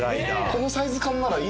このサイズ感ならいいです。